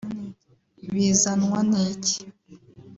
Bizanwa n’iki